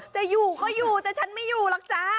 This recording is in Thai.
ผมก็อยู่แต่ฉันไม่อยู่หรอกจ๊ะ